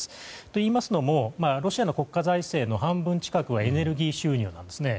といいますのもロシアの国家財政の半分近くはエネルギー収入なんですね。